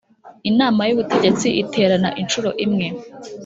Inama y ubutegetsi iterana inshuro imwe